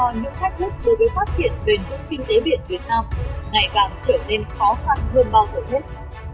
đã khiến cho những thách thức đối với phát triển bền vững kinh tế biển việt nam ngày càng trở nên khó khăn hơn bao giờ hết